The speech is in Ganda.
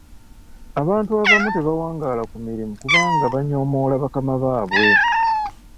Abantu abamu tebawangaala ku mirimu kubanga banyoomoola bakama baabwe.